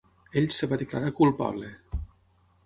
Ell es va declarar culpable.